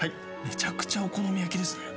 めちゃくちゃお好み焼きですね。